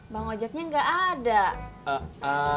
bang ojaknya gak ada